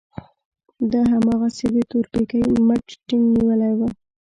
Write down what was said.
ده هماغسې د تورپيکۍ مټ ټينګ نيولی و.